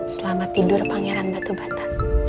selamat tidur pangeran batu bata